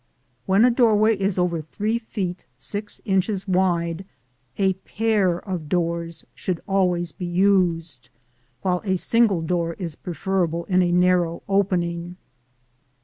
When a doorway is over three feet six inches wide, a pair of doors should always be used; while a single door is preferable in a narrow opening.